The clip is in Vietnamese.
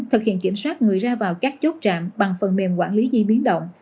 thực hiện kiểm soát người ra vào các chốt trạm bằng phần mềm quản lý di biến động